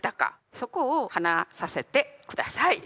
そこを話させて下さい。